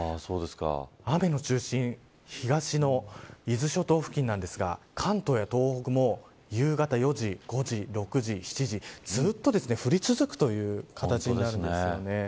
雨の中心東の伊豆諸島付近なんですが関東や東北も夕方４時、５時、６時７時、ずっと降り続くという形になるんですよね。